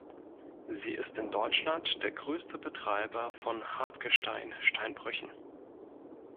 Sie ist in Deutschland der größte Betreiber von Hartgestein-Steinbrüchen.